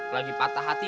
lagi patah hati